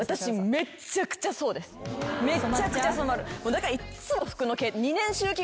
だからいっつも。